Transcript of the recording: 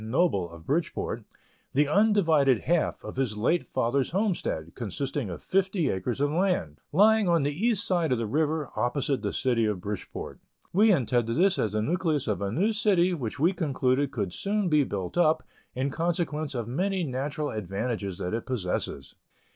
Noble, of Bridgeport, the undivided half of his late father's homestead, consisting of fifty acres of land; lying on the east side of the river, opposite the City of Bridgeport. We intended this as the nucleus of a new city, which we concluded could soon be built up, in consequence of many natural advantages that it possesses.